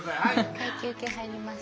一回休憩入ります。